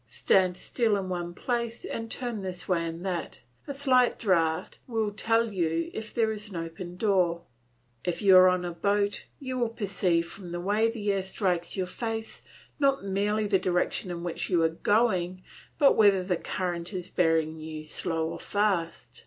Stand still in one place and turn this way and that; a slight draught will tell you if there is a door open. If you are on a boat you will perceive from the way the air strikes your face not merely the direction in which you are going, but whether the current is bearing you slow or fast.